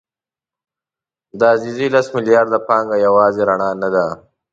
د عزیزي لس میلیارده پانګه یوازې رڼا نه ده.